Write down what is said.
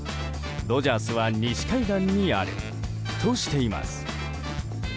ドジャースは西海岸にあるとしています。